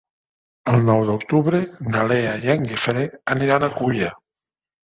El nou d'octubre na Lea i en Guifré aniran a Culla.